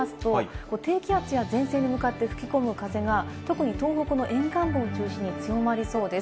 風を重ねてみますと、低気圧や前線に向かって吹き込む風が特に東北の沿岸部を中心に強まりそうです。